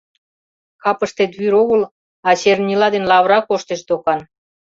Капыштет вӱр огыл, а чернила ден лавыра коштеш докан.